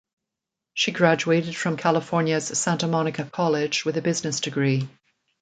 She graduated from California's Santa Monica College with a business degree.